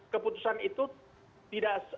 keputusan itu tidak